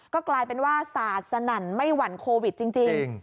ก็กลายเป็นว่าสาดสนั่นไม่หวั่นโควิดจริง